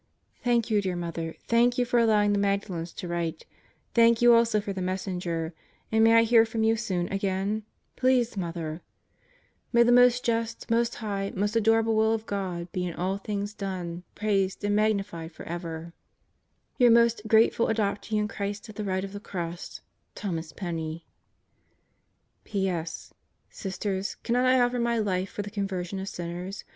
Thank you, dear Mother thank you for allowing the Magda lens to write; thank you also for the Messenger, and may I hear from you soon again? Please, Mother! Deeper Depths and Broader Horizons 183 May the most just, most high, most adorable will of God be in all things done, praised and magnified forever, Your most grateful adoptee in Christ at the right of the Cross Thomas Penney P.S. Sisters, cannot I offer my life for the conversion of sinners?